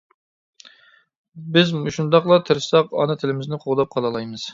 بىز مۇشۇنداقلا تىرىشساق ئانا تىلىمىزنى قوغداپ قالالايمىز.